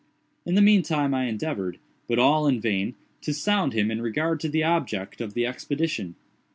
In the mean time I endeavored, but all in vain, to sound him in regard to the object of the expedition.